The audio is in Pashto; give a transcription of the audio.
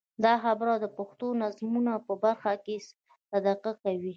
دا خبره د پښتو نظمونو په برخه کې صدق کوي.